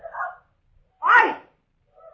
กูไม่ฟัง